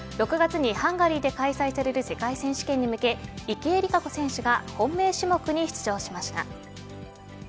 ６月にハンガリーで開催される世界選手権に向け池江璃花子選手が本命種目に出場しました。